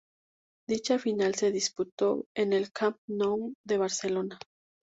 Dicha final se disputó en el Camp Nou de Barcelona.